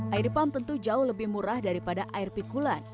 air depan tentu jauh lebih murah daripada air pikulan